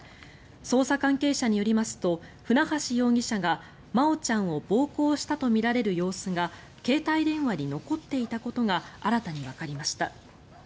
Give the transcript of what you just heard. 捜査関係者によりますと船橋容疑者が真愛ちゃんを暴行したとみられる様子が携帯電話に残っていたことが新たにわかりました。